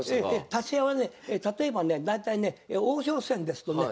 立会はね例えばね大体ね王将戦ですとね